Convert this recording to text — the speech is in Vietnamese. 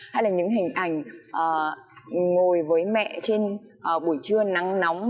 hay là những hình ảnh ngồi với mẹ trên buổi trưa nắng nóng